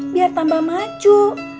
biar tambah maju